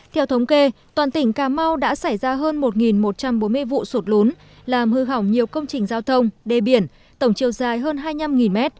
theo thống kê toàn tỉnh cà mau đã xảy ra hơn một một trăm bốn mươi vụ sụt lún làm hư hỏng nhiều công trình giao thông đề biển tổng chiều dài hơn hai mươi năm m